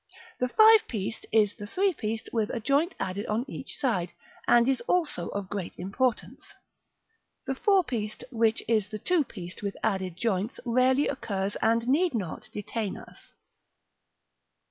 The five pieced is the three pieced with a joint added on each side, and is also of great importance. The four pieced, which is the two pieced with added joints, rarely occurs, and need not detain us.